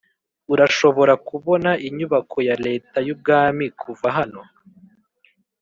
urashobora kubona inyubako ya leta y'ubwami kuva hano.